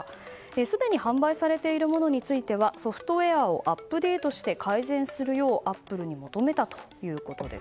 すでに販売されているものについてはソフトウェアをアップデートして改善するよう、アップルに求めたということです。